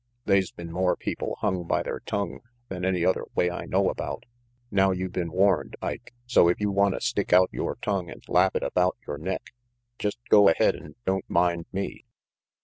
They's been more people hung by the tongue than any other way I know about. Now you been warned, Ike, so if you wanta stick out yore tongue and lap it about yore neck, jest go ahead and don't mind me."